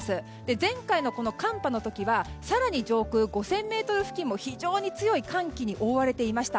前回の寒波の時は更に上空５０００ｍ付近も非常に強い寒気に覆われていました。